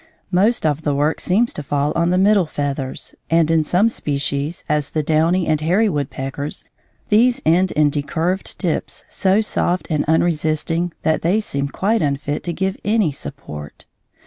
Most of the work seems to fall on the middle feathers, and in some species, as the downy and the hairy woodpeckers, these end in decurved tips so soft and unresisting that they seem quite unfit to give any support.